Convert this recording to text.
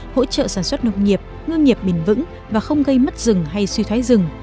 hỗ trợ sản xuất nông nghiệp ngương nghiệp bình vững và không gây mất rừng hay suy thoái rừng